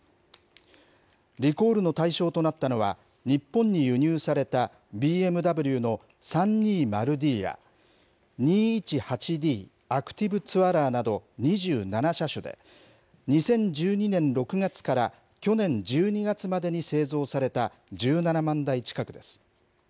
リコールの対象となったのは、日本に輸入されたＢＭＷの３２０ｄや、２１８ｄＡｃｔｉｖｅＴｏｕｒｅｒなど２７車種で、２０１２年６月から去年１２月までに製造された１７万台近くです。